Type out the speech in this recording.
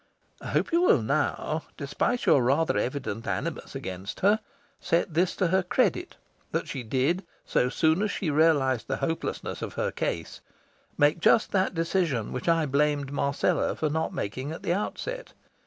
I hope you will now, despite your rather evident animus against her, set this to her credit: that she did, so soon as she realised the hopelessness of her case, make just that decision which I blamed Marcella for not making at the outset.